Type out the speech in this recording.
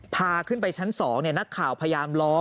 พาขึ้นไปชั้น๒นักข่าวพยายามล้อม